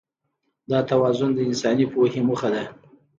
دا توازن د انساني پوهې موخه ده.